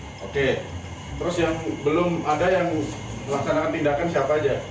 terus yang belum ada yang melaksanakan tindakan siapa aja